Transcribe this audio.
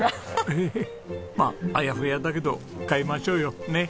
エヘヘまああやふやだけど買いましょうよねっ。